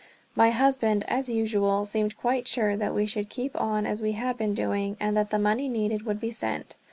My husband, as usual, seemed quite sure that we should keep on as we had been doing, and that the money needed would be sent.